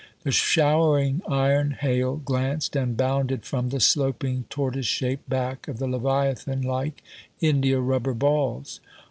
The showering iron hail glanced and bounded from the sloping, tortoise shaped back of the leviathan like india rubber ball s.